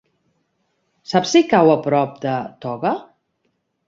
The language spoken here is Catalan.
Saps si cau a prop de Toga?